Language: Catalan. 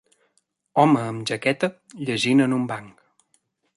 Home amb jaqueta llegint en un banc.